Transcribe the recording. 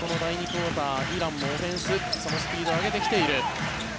クオーターイランもオフェンスそのスピードを上げてきている。